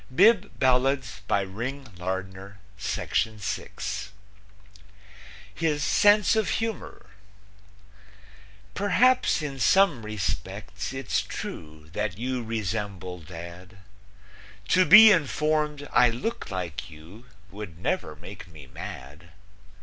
HIS SENSE OF HUMOR Perhaps in some respects it's true That you resemble dad; To be informed I look like you Would never make me mad.